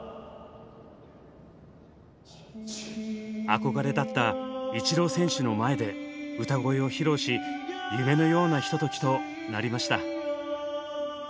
憧れだったイチロー選手の前で歌声を披露し夢のようなひとときとなりました。